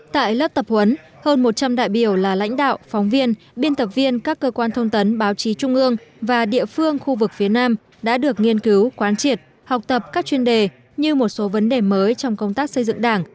tại lớp tập huấn hơn một trăm linh đại biểu là lãnh đạo phóng viên biên tập viên các cơ quan thông tấn báo chí trung ương và địa phương khu vực phía nam đã được nghiên cứu quán triệt học tập các chuyên đề như một số vấn đề mới trong công tác xây dựng đảng